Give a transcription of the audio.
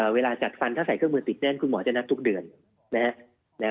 เวลาจัดฟันถ้าใส่เครื่องมือติดแน่นคุณหมอจะนัดทุกเดือนนะฮะ